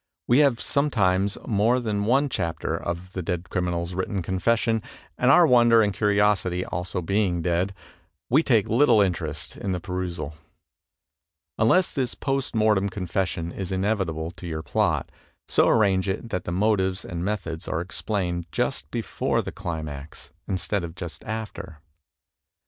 We have sometimes more than one chapter of the dead crimmal's written confession, and our wonder and curiosity also being dead, we take little interest in the perusal. Unless this post mortem confession is inevitable to your plot, so arrange it that the motives and methods are explained just before the climax instead of just after.